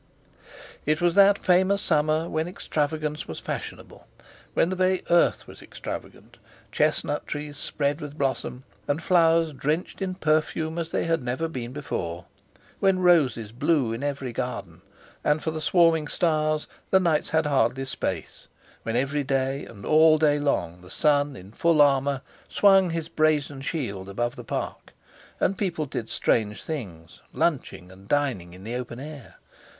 It was that famous summer when extravagance was fashionable, when the very earth was extravagant, chestnut trees spread with blossom, and flowers drenched in perfume, as they had never been before; when roses blew in every garden; and for the swarming stars the nights had hardly space; when every day and all day long the sun, in full armour, swung his brazen shield above the Park, and people did strange things, lunching and dining in the open air.